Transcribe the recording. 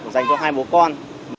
dành cho hai bố con